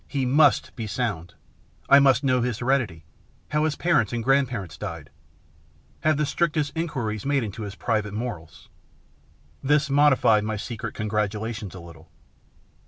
He must be sound. I must know his heredity, how his parents and grand parents died, have the strictest inquiries made into his private morals" This modified my secret congratulations a little.